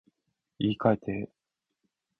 言い換えて